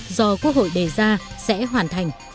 do quốc hội đề ra sẽ hoàn thành